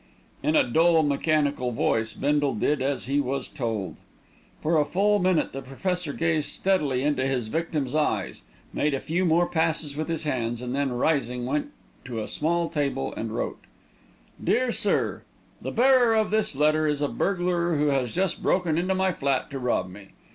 In a dull, mechanical voice Bindle did as he was told. For a full minute the Professor gazed steadily into his victim's eyes, made a few more passes with his hands, and then, rising, went to a small table and wrote: DEAR SIR, The bearer of this letter is a burglar who has just broken into my flat to rob me.